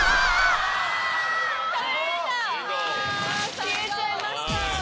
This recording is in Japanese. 消えちゃいました。